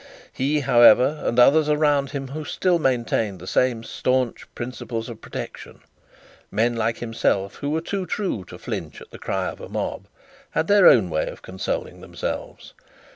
He, however, had others around him, who still maintained the same staunch principles of protection men like himself, who were too true to flinch at the cry of a mob had their own way of consoling themselves.